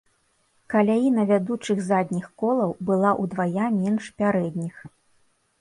Каляіна вядучых задніх колаў была ўдвая менш пярэдніх.